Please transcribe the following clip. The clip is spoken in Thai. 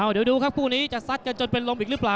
เดี๋ยวดูครับคู่นี้จะซัดกันจนเป็นลมอีกหรือเปล่า